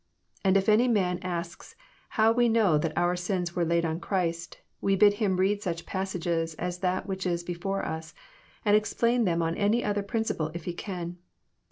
And if any man asks how we know that our sins were laid on Christ, we bid him read such passages as that which is before us, and explain them on any other prin ciple if he can.